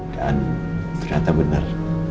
dan ternyata bener